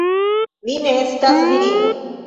Mi ne estas virino.